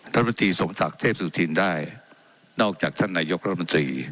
รัฐมนตรีสมศักดิ์เทพสุธินได้นอกจากท่านนายกรัฐมนตรี